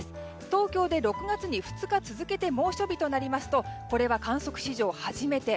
東京で６月に２日続けて猛暑日となりますとこれは観測史上初めて。